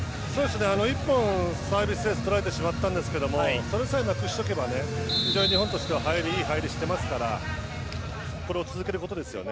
１本、サービスエースを取られてしまったんですがそれさえなくしてしまえば日本としては非常にいい入りをしていますからこれを続けることですよね。